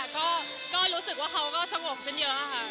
ก็รู้สึกว่าเขาก็สงบขึ้นเยอะค่ะ